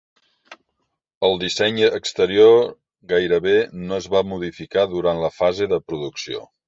El disseny exterior gairebé no es va modificar durant la fase de producció.